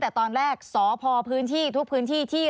แต่ตอนแรกสพพื้นที่ทุกพื้นที่ที่